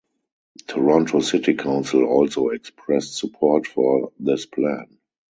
Toronto City Council also expressed support for this plan.